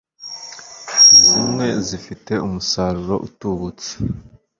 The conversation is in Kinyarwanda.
zimwe zifite umusaruro utubutse